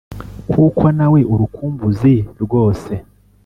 kuko na we urukumbuzi rwose